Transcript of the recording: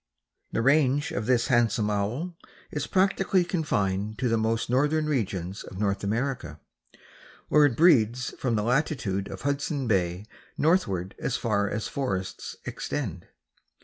The range of this handsome Owl is practically confined to the most northern regions of North America, where it breeds from the latitude of Hudson Bay northward as far as forests extend.